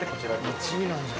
１位なんじゃ？